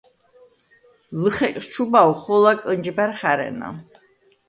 ლჷხეკს ჩუბავ ხოლა კჷნჯბა̈რ ხა̈რენა.